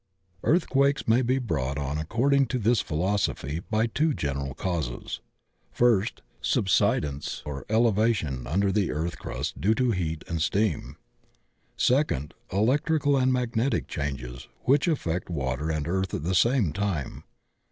Earthquakes may be brought on according to this philosophy by two general causes; first, subsidence or elevation under the earth crust due to heat and steam; second, electrical and magnetic changes which affect water and earth at the same time.